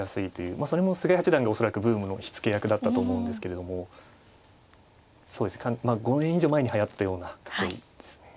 まあそれも菅井八段が恐らくブームの火付け役だったと思うんですけれどもそうですね５年以上前にはやったような囲いですね。